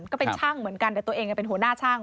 ก็เป็นช่างเหมือนกันแต่ตัวเองเป็นหัวหน้าช่าง